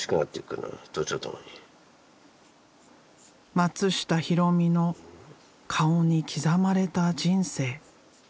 松下広実の顔に刻まれた人生。